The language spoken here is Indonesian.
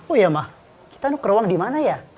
oh iya ma kita nuker uang dimana ya